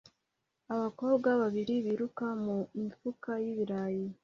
Abakobwa babiri biruka mu mifuka y'ibirayi